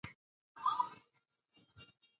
ټکنالوژي د انسان د ورځني ژوند ډېری چارې اسانه کړې دي.